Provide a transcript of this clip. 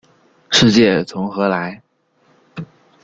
世界从何来？